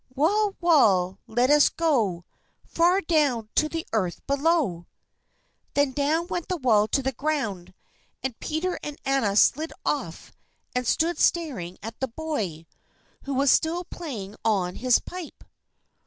"Wall, wall, let us go Far down to the earth below." Then down went the wall to the ground, and Peter and Anna slid off, and stood staring at the boy, who was still playing on his pipe.